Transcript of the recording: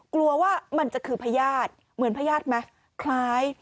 กลัวว่ามันจะคือพญาติเหมือนพญาติไหมคล้าย